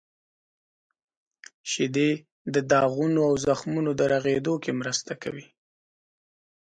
• شیدې د داغونو او زخمونو د رغیدو کې مرسته کوي.